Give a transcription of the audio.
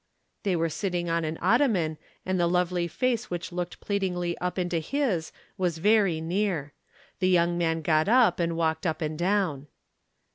They were sitting on an ottoman, and the lovely face which looked pleadingly up into his was very near. The young man got up and walked up and down.